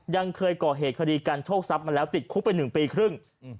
ยังเคยก่อเหตุคดีการโชคทรัพย์มาแล้วติดคุกไป๑ปีครึ่ง